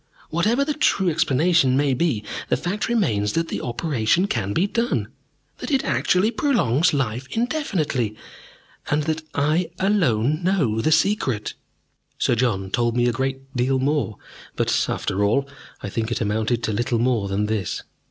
Whatever the true explanation may be, the fact remains that the operation can be done, that it actually prolongs life indefinitely, and that I alone know the secret." Sir John told me a very great deal more, but, after all, I think it amounted to little more than this.